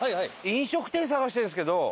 飲食店探してるんですけど。